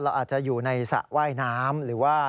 อาจจะอยู่ในสระว่ายน้ำหรือว่า